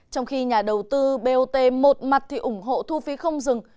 trong khi nhà đầu tư bot một mặt thì ủng hộ thu phí không dừng